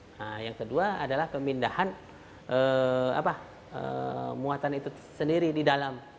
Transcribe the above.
nah yang kedua adalah pemindahan muatan itu sendiri di dalam